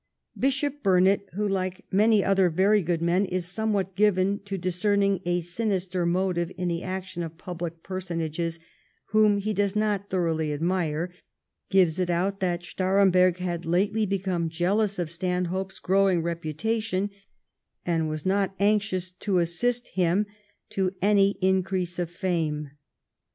Bishop Burnet, who like many other very good men, is somewhat given to discern ing a sinister motive in the action of public personages whom he does not thoroughly admire, gives it out that Staremberg had lately become jealous of Stanhope's growing reputation, and was not anxious to assist him to any increase of fame.